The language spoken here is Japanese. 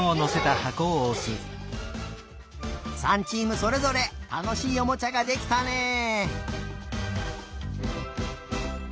３チームそれぞれたのしいおもちゃができたね！